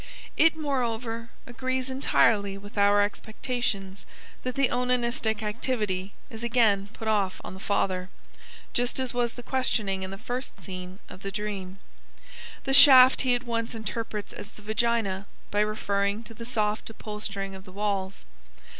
It, moreover, agrees entirely with our expectations that the onanistic activity is again put off on the father, just as was the questioning in the first scene of the dream. The shaft he at once interprets as the vagina by referring to the soft upholstering of the walls.